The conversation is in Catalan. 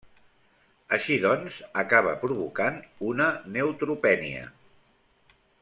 Així doncs, acaba provocant una neutropènia.